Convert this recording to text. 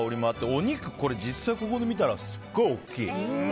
お肉、これ、実際ここで見たらすごい大きい！